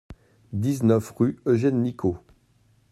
dix-neuf rue Eugène Nicot